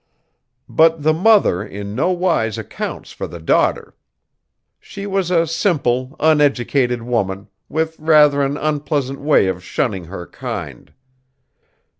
But the mother in no wise accounts for the daughter. She was a simple, uneducated woman, with rather an unpleasant way of shunning her kind.